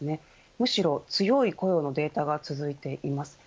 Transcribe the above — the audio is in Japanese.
むしろ強い雇用のデータが続いています。